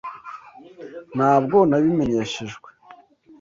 Ntabwo nabimenyeshejwe.